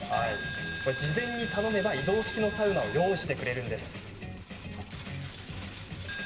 事前に頼めば移動式のサウナを用意してくれるんです。